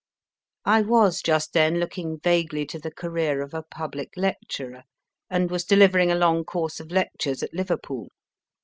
I was just then looking vaguely to the career of a public lecturer, and was delivering a long course of lectures at Liverpool.